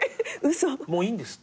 もういいんですって。